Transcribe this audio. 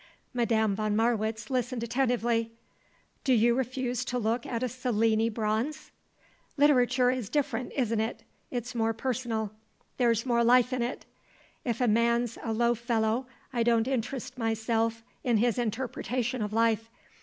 Madame von Marwitz listened attentively. "Do you refuse to look at a Cellini bronze?" "Literature is different, isn't it? It's more personal. There's more life in it. If a man's a low fellow I don't interest myself in his interpretation of life.